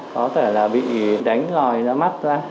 có thể là bị đánh lòi ra mắt ra